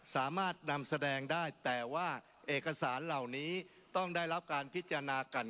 สามารถนำแสดงได้แต่ว่าเอกสารเหล่านี้ต้องได้รับการพิจารณากัน